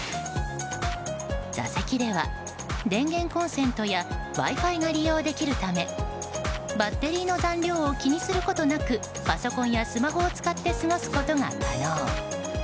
座席では、電源コンセントやＷｉ‐Ｆｉが利用できるためバッテリーの残量を気にすることなくパソコンやスマホを使って過ごすことが可能。